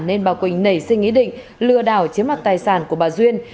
nên bà quỳnh nảy sinh ý định lừa đảo chiếm mặt tài sản của bà duyên